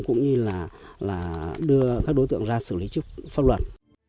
cũng như là đưa các đối tượng ra xử lý chức pháp luật